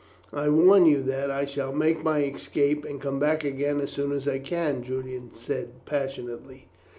"I warn you that I shall make my escape, and come back again as soon as I can," Julian said passionately.